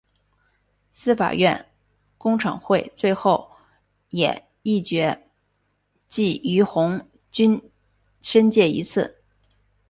司法院公惩会最后也议决记俞鸿钧申诫一次。